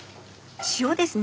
塩ですね。